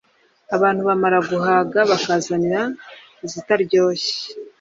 abantu bamara guhaga bakabona kuzana izitaryoshye,